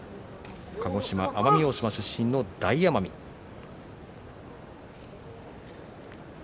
鹿児島奄美大島出身の大奄美です。